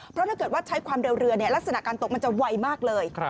เพราะถ้าเกิดว่าใช้ความเร็วเรือลักษณะการตกมันจะไวมากเลย